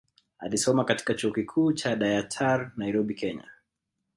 Alisoma katika chuo kikuu cha Dayatar Nairobi Kenya